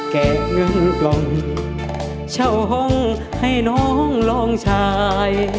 แกะเงินกล่องเช่าห้องให้น้องลองชาย